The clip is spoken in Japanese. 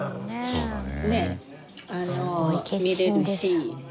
そうだね。